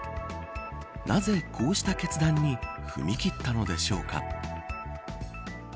なぜ、こうした決断に踏み切ったのでしょうか。